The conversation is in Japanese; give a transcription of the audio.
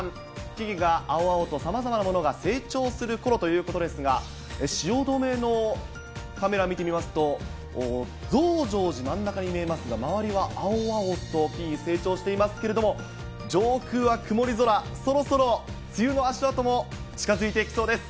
木々が青々とさまざまなものが成長するころということですが、汐留のカメラ見てみますと、増上寺、真ん中に見えますが、周りは青々と、木々、成長していますけれども、上空は曇り空、そろそろ梅雨の足音も近づいてきそうです。